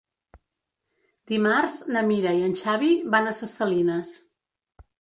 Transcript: Dimarts na Mira i en Xavi van a Ses Salines.